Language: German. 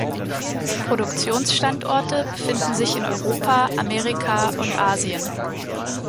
Produktionsstandorte befinden sich in Europa, Amerika und Asien.